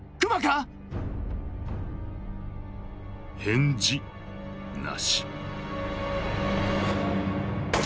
返事なし。